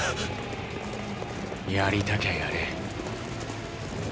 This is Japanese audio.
やりたきゃやれ。